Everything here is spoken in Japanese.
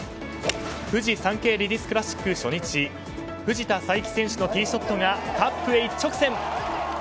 フジサンケイレディスクラシック初日藤田さいき選手のティーショットがカップへ一直線。